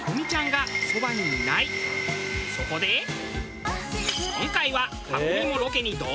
そこで今回は。